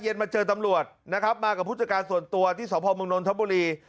มาเจอตำรวจนะครับมากับผู้จัดการส่วนตัวที่สพมนนทบุรี